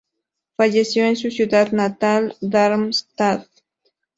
Falleció en su ciudad natal, Darmstadt.